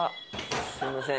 すみません